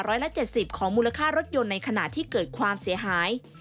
ร้อยละ๗๐ของมูลค่ารถยนต์ในขณะที่เกิดความเสียหาย